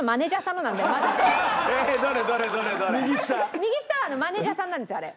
右下はマネージャーさんなんですよあれ。